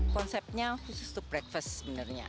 konsepnya khusus untuk breakfast sebenarnya